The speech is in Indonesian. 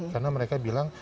karena mereka bilang